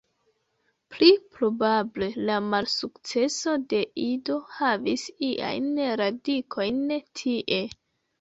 Pli probable la malsukceso de Ido havis iajn radikojn tie.